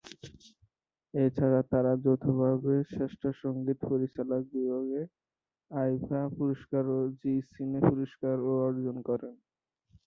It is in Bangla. এছাড়া তারা যৌথভাবে শ্রেষ্ঠ সঙ্গীত পরিচালক বিভাগে আইফা পুরস্কার ও জি সিনে পুরস্কারও অর্জন করেন।